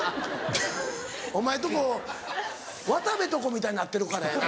お前んとこ渡部んとこみたいになってるからやな。